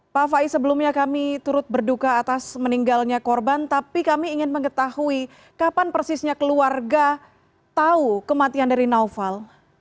pak faiz sebelumnya kami turut berduka atas meninggalnya korban tapi kami ingin mengetahui kapan persisnya keluarga tahu kematian dari naufal